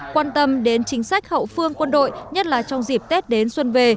quan tâm đến chính sách hậu phương quân đội nhất là trong dịp tết đến xuân về